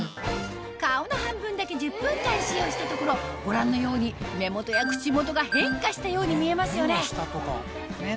顔の半分だけ１０分間使用したところご覧のように口元や目元が変化したように見えますよね